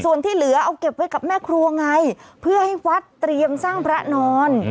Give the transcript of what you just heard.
ส่วนที่เหลือเอาเก็บไว้กับแม่ครัวไงเพื่อให้วัดเตรียมสร้างพระนอน